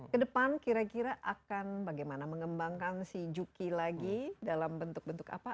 kedepan kira kira akan bagaimana mengembangkan si juki lagi dalam bentuk bentuk apa